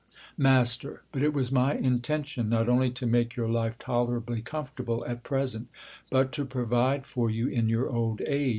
Mast, But it was my intention not only to make your life tolerably comfortable at present, but to pro vide for you in your old age.